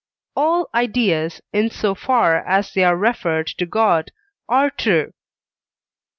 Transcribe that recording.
All ideas, in so far as they are referred to God, are true.